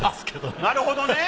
あっなるほどね。